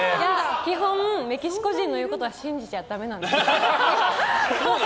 基本、メキシコ人の言うことは信じちゃダメなんですよ。